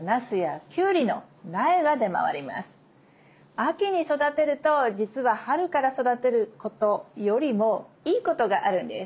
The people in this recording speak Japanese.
秋に育てると実は春から育てることよりもいいことがあるんです。